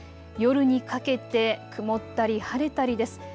夜にかけて曇ったり晴れたりです。